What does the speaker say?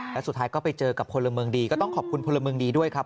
แล้วสุดท้ายก็ไปเจอกับพลเมืองดีก็ต้องขอบคุณพลเมืองดีด้วยครับ